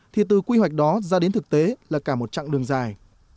thì từ quy hoạch đó ra đến thực tế là cả một chặng đường dài